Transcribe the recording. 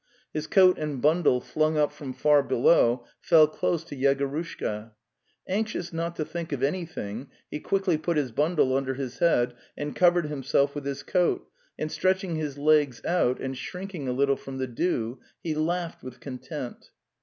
His coat and bundle flung up from far below fell close to Yegorushka. Anxious not to think of any thing, he quickly put his bundle under his head and covered himself with his coat, and stretching his legs out and shrinking a little from the dew, he laughed with content.